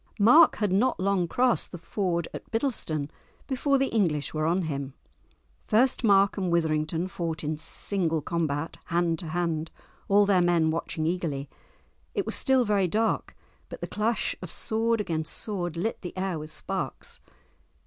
Mark had not long crossed the ford at Biddleston before the English were on him. First Mark and Withrington fought in single combat, hand to hand, all their men watching eagerly; it was still very dark, but the clash of sword against sword lit the air with sparks.